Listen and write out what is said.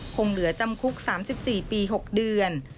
คงเหลือจำคุก๓๔ปี๖เดือน